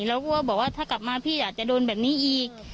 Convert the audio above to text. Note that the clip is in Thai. เราก็บอกว่าถ้ากลับมาพี่อาจจะโดนแบบนี้อีก